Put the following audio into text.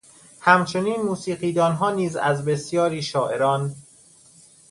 همچنین موسیقیدانها نیز از بسیاری شاعران